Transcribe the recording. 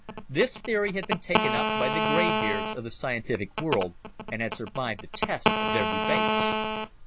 This theory had been taken up by the gray beards of the scientific world and had survived the test of their debates.